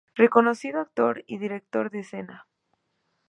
Reconocido actor y director de escena.